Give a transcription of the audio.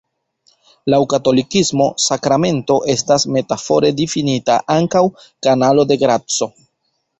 Laŭ katolikismo, sakramento estas metafore difinita ankaŭ "kanalo de graco".